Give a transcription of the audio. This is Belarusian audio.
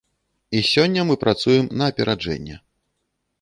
І сёння мы працуем на апераджэнне.